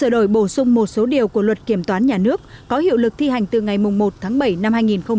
đổi bổ sung một số điều của luật kiểm toán nhà nước có hiệu lực thi hành từ ngày một tháng bảy năm hai nghìn một mươi chín